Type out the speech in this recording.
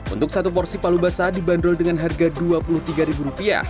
untuk satu porsi palu basah dibanderol dengan harga rp dua puluh tiga